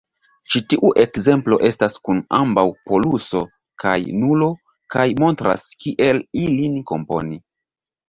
Ĉi tiu ekzemplo estas kun ambaŭ poluso kaj nulo kaj montras kiel ilin komponi.